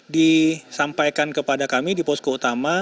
disampaikan kepada kami di posko utama